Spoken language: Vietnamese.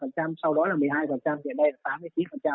sau đó là một mươi hai hiện nay là tám mươi chín